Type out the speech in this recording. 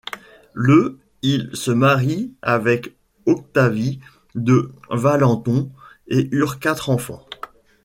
Le il se marie avec Octavie de Valenton et eurent quatre enfants.